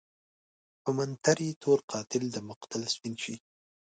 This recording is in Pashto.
په منتر يې تور قاتل دمقتل سپين شي